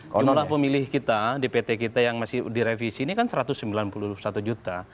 jumlah pemilih kita dpt kita yang masih direvisi ini kan satu ratus sembilan puluh satu juta